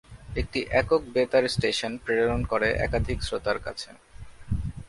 একটি একক বেতার স্টেশন প্রেরণ করে একাধিক শ্রোতার কাছে।